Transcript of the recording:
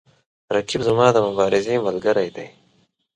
رقیب زما د مبارزې ملګری دی